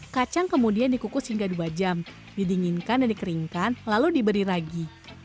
kacang kemudian dikukus hingga dua jam didinginkan dan dikeringkan lalu diberi ragi